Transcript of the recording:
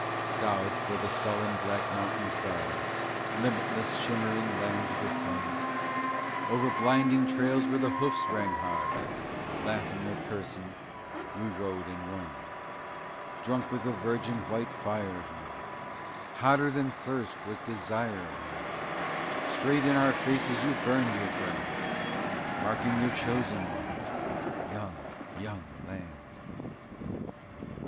South, where the sullen black mountains guard Limitless, shimmering lands of the sun, Over blinding trails where the hoofs rang hard, Laughing or cursing, we rode and won. Drunk with the virgin white fire of you, Hotter than thirst was desire of you; Straight in our faces you burned your brand, Marking your chosen ones, young, young land.